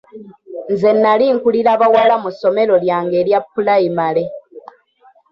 Nze nali nkulira bawala mu ssomero lyange erya pulayimale.